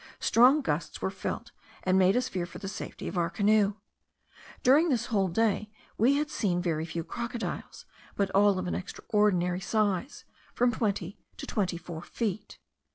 Strong gusts were felt, and made us fear for the safety of our canoe. During this whole day we had seen very few crocodiles, but all of an extraordinary size, from twenty to twenty four feet.